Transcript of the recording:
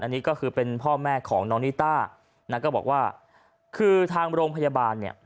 อันนี้ก็คือเป็นพ่อแม่ของน้องนิต้านะก็บอกว่าคือทางโรงพยาบาลเนี่ย